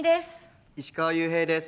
石川裕平です。